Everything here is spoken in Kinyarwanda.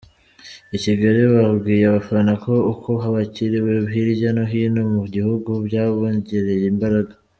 I Kigali babwiye abafana ko uko bakiriwe hirya no hino mu gihugu byabongereye imbaraga.